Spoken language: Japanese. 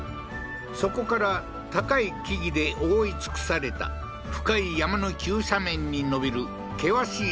そこから高い木々で覆い尽くされた深い山の急斜面に延びる険しい